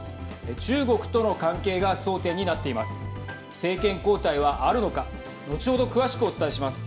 中国との関係が争点になっています。